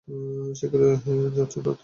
শীঘ্রই যাচ্ছ তো, তাই না?